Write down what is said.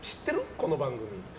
この番組。